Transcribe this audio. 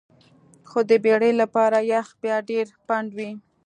خو د بیړۍ لپاره یخ بیا ډیر پنډ وي